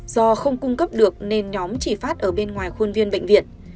do không cung cấp được nên nhóm chỉ phát ở bên ngoài khuôn viên bệnh viện